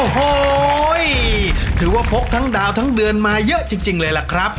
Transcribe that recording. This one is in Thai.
โอ้โหถือว่าพกทั้งดาวทั้งเดือนมาเยอะจริงเลยล่ะครับ